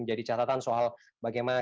menjadi catatan soal bagaimana